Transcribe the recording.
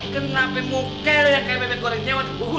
kenapa muka lo yang kaya bebek gorengnya